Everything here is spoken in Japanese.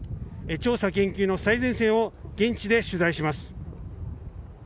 調査研究の最前線を現地で取材します。